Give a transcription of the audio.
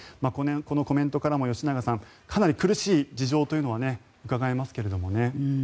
このコメントからも吉永さんかなり苦しい事情というのはうかがえますけれどもね。